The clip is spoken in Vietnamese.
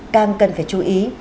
càng cần phải chú ý